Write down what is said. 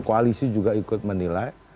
koalisi juga ikut menilai